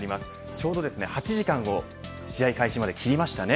ちょうど８時間を試合開始まで切りましたね。